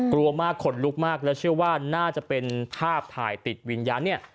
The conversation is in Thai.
กลัวมากขนลุกมากแล้วเชื่อว่าน่าจะเป็นภาพถ่ายติดวิญญาณเนี่ย